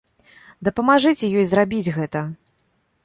Дапамажыце ёй зрабіць гэта!